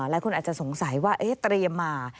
และคุณอาจจะคงสงสัยว่าเตรียมมา